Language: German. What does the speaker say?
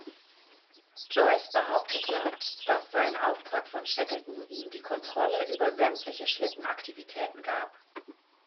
Joyce behauptete, dass sein Auftrag von Shackleton ihm die Kontrolle über sämtliche Schlitten-Aktivitäten gab.